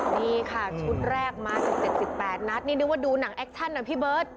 นี่ค่ะชุดแรกมา๑๗๑๘นัดนี่นึกว่าดูหนังแอคชั่นนะพี่เบิร์ต